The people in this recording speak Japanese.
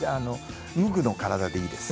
無垢の体でいいです。